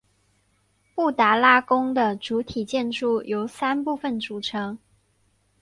布达拉宫的主体建筑由三部分组成。